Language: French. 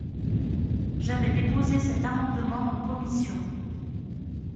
J’avais déposé cet amendement en commission.